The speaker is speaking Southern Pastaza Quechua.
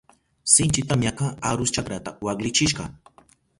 Sinchi tamyaka arus chakrata waklichishka.